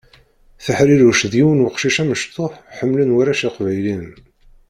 Tehriruc d yiwen weqcic amectuḥ ḥemlen warrac iqbayliyen.